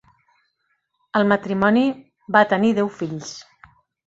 El matrimoni va tenir deu fills.